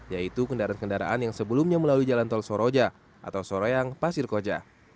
yaitu kendaraan kendaraan yang sebelumnya melalui jalan tol soroja atau soroyang pasir koja